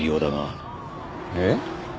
えっ？